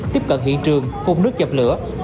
tiếp cận hiện trường phùng nước dập lửa